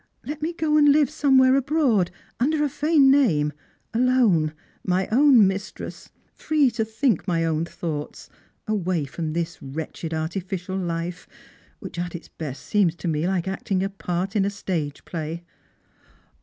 Let me go and live somewhere abroad — under a feigned name — alone, my own mistress, free to 294 Strangers and Pilgrims. think my own thouglits, away from this wretched artificial life, which at its best seems to me like acting a part in a stage play.